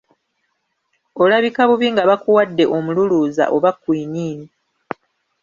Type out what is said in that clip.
Olabika bubi nga bakuwadde omululuuza oba kwiniini.